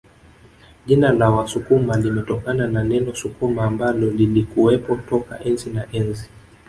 Jina la Wasukuma limetokana na neno Sukuma ambalo lilikuwepo toka enzi na enzi